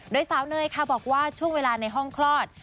โดยสาวเนยค่ะบอกว่าช่วงเวลาในห้องคลอด